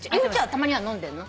たまには飲んでるの？